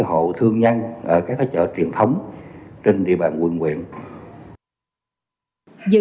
hộ thương nhân ở các chợ truyền thống trên địa bàn quận quyện một mươi năm trên một mươi sáu hộ đạt chín mươi